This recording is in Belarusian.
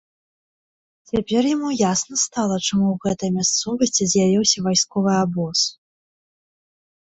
Цяпер яму ясна стала, чаму ў гэтай мясцовасці з'явіўся вайсковы абоз.